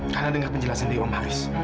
karena dengar penjelasan dari om haris